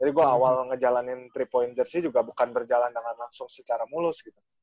dari gue awal ngejalanin tiga point jersey juga bukan berjalan dengan langsung secara mulus gitu